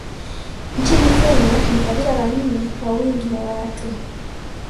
Nchini Kenya ni kabila la nne kwa wingi wa watu